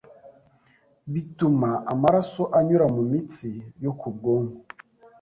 bituma amaraso anyura mu mitsi yo ku bwonko